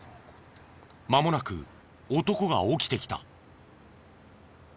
まもなく男が起きてきた。